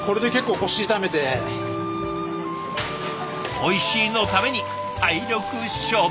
「おいしい」のために体力勝負。